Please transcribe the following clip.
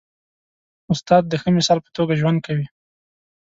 استاد د ښه مثال په توګه ژوند کوي.